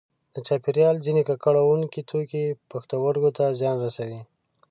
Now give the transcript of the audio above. د چاپیریال ځینې ککړوونکي توکي پښتورګو ته زیان رسوي.